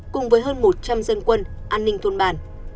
cùng với hơn một trăm linh dân quân an ninh thôn bàn